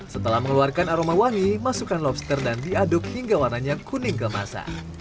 setelah mengeluarkan aroma wangi masukkan lobster dan diaduk hingga warnanya kuning kemasan